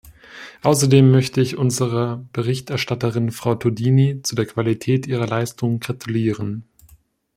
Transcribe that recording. Außerdem möchte ich unserer Berichterstatterin Frau Todini zu der Qualität ihrer Leistung gratulieren.